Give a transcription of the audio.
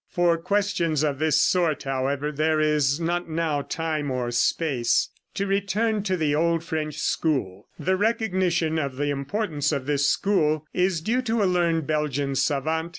For questions of this sort, however, there is not now time or space. To return to the old French school the recognition of the importance of this school is due to a learned Belgian savant, M.